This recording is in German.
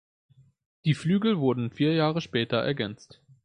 Die Flügel wurden vier Jahre später ergänzt.